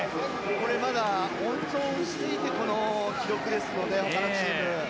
これまだ温存していてこの記録ですのでほかのチーム。